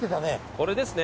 これですね。